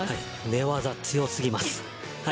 寝技、強すぎます。